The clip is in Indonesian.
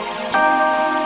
mari nanda prabu